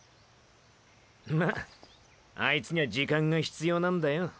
まあいつにゃ時間が必要なんだヨ。